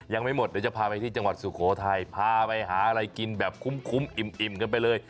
ยังไม่หมดเดี๋ยวจะพาไปที่จังหวัดสุโขทัยพาไปหาอะไรกินแบบคุ้มอิ่มกันไปเลย